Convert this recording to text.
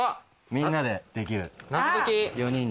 みんなでできる。